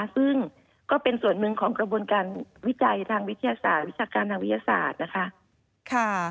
ซึ่งก็เป็นส่วนหนึ่งของกระบวนการวิจัยทางวิทยาศาสตร์วิชาการทางวิทยาศาสตร์นะคะ